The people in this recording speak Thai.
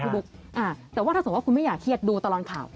บุ๊คแต่ว่าถ้าสมมุติว่าคุณไม่อยากเครียดดูตลอดข่าว